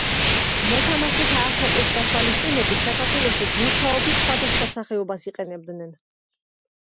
მოთამაშეთა ასაკის გათვალისწინებით საქართველოში ბურთაობის სხვადასხვა სახეობას იყენებდნენ.